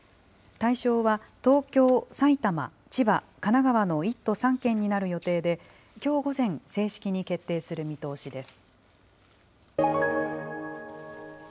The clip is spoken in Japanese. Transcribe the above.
対象は東京、埼玉、千葉、神奈川の１都３県になる予定で、きょう午前、正式に決定する見通しです。